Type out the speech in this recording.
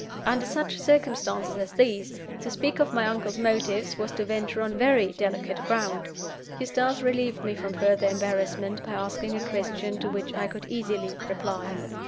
Under such circumstances as these, to speak of my uncle's motives was to venture on very delicate ground. Eustace relieved me from further embarrassment by asking a question to which I could easily reply.